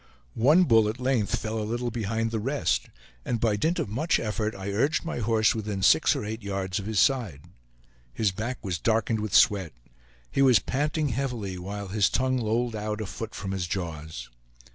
One bull at length fell a little behind the rest, and by dint of much effort I urged my horse within six or eight yards of his side. His back was darkened with sweat; he was panting heavily, while his tongue lolled out a foot from his jaws.